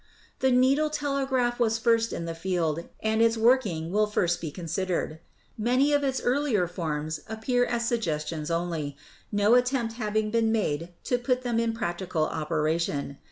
The needle telegraph was first in the field, and its work ing will first be considered. Many of its earlier forms appear as suggestions only, no attempt having been made to put them in practical operation.